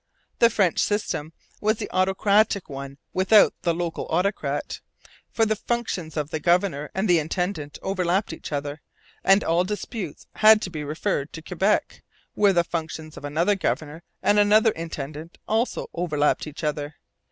The French system was the autocratic one without the local autocrat; for the functions of the governor and the intendant overlapped each other, and all disputes had to be referred to Quebec, where the functions of another governor and another intendant also overlapped each other.